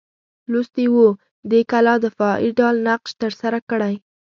لوستي وو دې کلا دفاعي ډال نقش ترسره کړی.